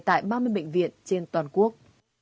tại ba mươi bệnh viện trên toàn quốc